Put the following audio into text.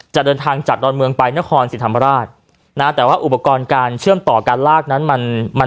จะเดินทางจากดอนเมืองไปนครศรีธรรมราชนะแต่ว่าอุปกรณ์การเชื่อมต่อการลากนั้นมันมัน